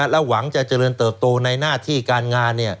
แล้วหวังจะเจริญเติบโตในหน้าที่การงาน